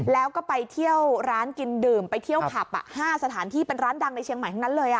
แล้วก็ไปเที่ยวร้านกินดื่มไปเที่ยวผับ๕สถานที่เป็นร้านดังในเชียงใหม่ทั้งนั้นเลย